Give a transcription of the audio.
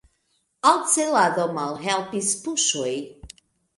Al celado malhelpis puŝoj.